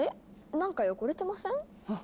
なんか汚れてません？